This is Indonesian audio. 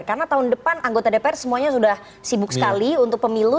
karena tahun depan anggota dpr semuanya sudah sibuk sekali untuk pemilu